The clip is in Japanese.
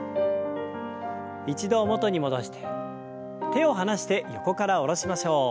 一度元に戻して手を離して横から下ろしましょう。